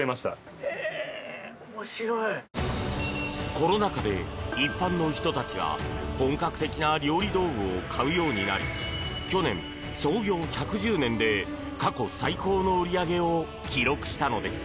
コロナ禍で一般の人たちが本格的な料理道具を買うようになり去年、創業１１０年で過去最高の売り上げを記録したのです。